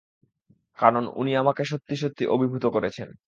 কারণ উনি আমাকে সত্যি সত্যি অভিভূত করেছেন।